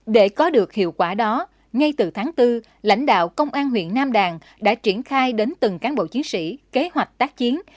để có được hiệu quả đó ngay từ tháng bốn lãnh đạo công an huyện nam đàn đã triển khai đến từng cán bộ chiến sĩ kế hoạch tác chiến